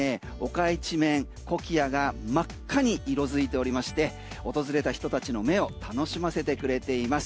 丘一面、コキアが真っ赤に色づいておりまして訪れた人たちの目を楽しませてくれています。